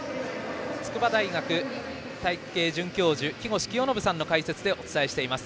筑波大学体育系准教授木越清信さんの解説でお伝えしています。